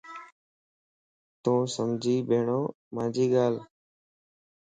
توسمجھي ٻيڻھونَ مانجي ڳالھه؟